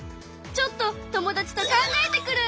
ちょっと友達と考えてくる！